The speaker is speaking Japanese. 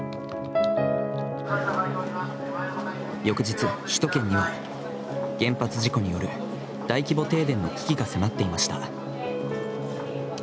翌日、首都圏には、原発事故による大規模停電の危機が迫っていました。